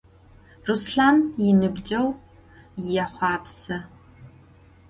Ruslhan yinıbceğu yêxhuapse.